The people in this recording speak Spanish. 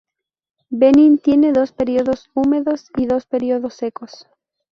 Benín tiene dos periodos húmedos y dos periodos secos.